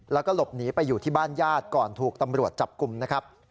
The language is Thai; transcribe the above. แล้วก็หลบหนีไปอยู่ที่บ้านญาติก่อนถูกตำรวจจับกลุ่มนะครับ